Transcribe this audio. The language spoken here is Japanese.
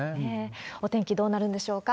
お天気、どうなるんでしょうか。